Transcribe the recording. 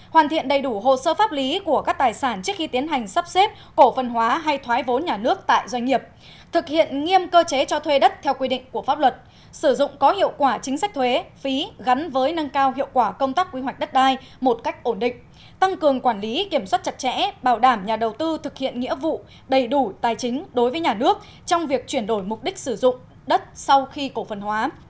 hai mươi một hoàn thiện đầy đủ hồ sơ pháp lý của các tài sản trước khi tiến hành sắp xếp cổ phần hóa hay thoái vốn nhà nước tại doanh nghiệp thực hiện nghiêm cơ chế cho thuê đất theo quy định của pháp luật sử dụng có hiệu quả chính sách thuế phí gắn với nâng cao hiệu quả công tác quy hoạch đất đai một cách ổn định tăng cường quản lý kiểm soát chặt chẽ bảo đảm nhà đầu tư thực hiện nghĩa vụ đầy đủ tài chính đối với nhà nước trong việc chuyển đổi mục đích sử dụng đất sau khi cổ phần hóa